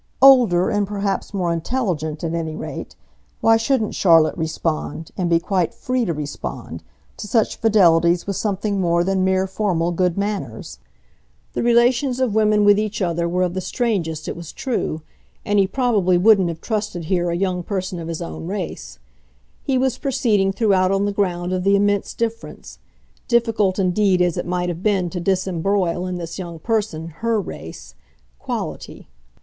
Older and perhaps more intelligent, at any rate, why shouldn't Charlotte respond and be quite FREE to respond to such fidelities with something more than mere formal good manners? The relations of women with each other were of the strangest, it was true, and he probably wouldn't have trusted here a young person of his own race. He was proceeding throughout on the ground of the immense difference difficult indeed as it might have been to disembroil in this young person HER race quality.